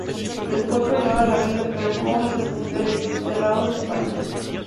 Les fue perdonada la vida pero fueron desterrados a España.